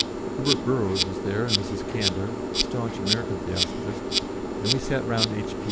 Herbert Burrows was there, and Mrs. Candler, a staunch American Theosophist, and we sat round H.